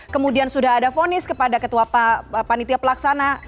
kemudian sudah ada vonis kepada ketua panitia pelaksanaan